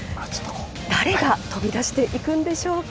誰が飛び出していくんでしょうか。